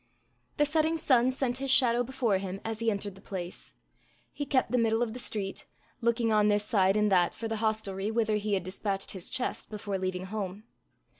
The setting sun sent his shadow before him as he entered the place. He kept the middle of the street, looking on this side and that for the hostelry whither he had despatched his chest before leaving home.